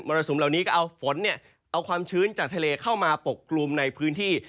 รสุมเหล่านี้ก็เอาฝนเนี่ยเอาความชื้นจากทะเลเข้ามาปกกลุ่มในพื้นที่